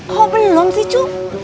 kok belum sih cu